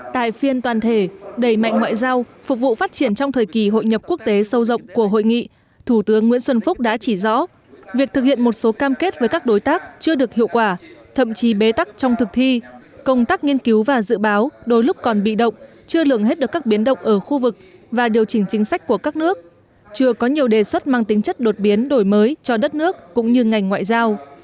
tại phiên toàn thể đầy mạnh ngoại giao phục vụ phát triển trong thời kỳ hội nhập quốc tế sâu rộng của hội nghị thủ tướng nguyễn xuân phúc đã chỉ rõ việc thực hiện một số cam kết với các đối tác chưa được hiệu quả thậm chí bế tắc trong thực thi công tác nghiên cứu và dự báo đôi lúc còn bị động chưa lường hết được các biến động ở khu vực và điều chỉnh chính sách của các nước chưa có nhiều đề xuất mang tính chất đột biến đổi mới cho đất nước cũng như ngành ngoại giao